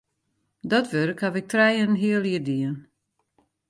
Dat wurk haw ik trije en in heal jier dien.